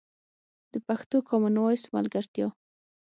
د پښتو کامن وایس ملګرتیا